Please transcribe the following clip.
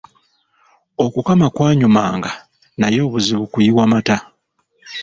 Okukama kwanyumanga naye obuzibu kuyiwa mata.